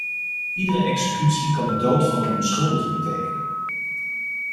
Iedere executie kan de dood van een onschuldige betekenen.